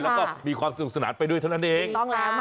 แล้วก็มีความสุขสนานไปด้วยเท่านั้นเอง